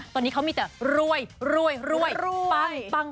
ตอนนี้เค้ามีแต่รวยบัง